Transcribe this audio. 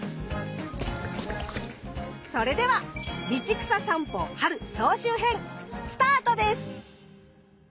それでは「道草さんぽ・春」総集編スタートです。